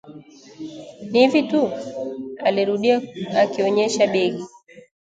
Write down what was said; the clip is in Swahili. "Ni hivi tu?" alirudia, akionyesha begi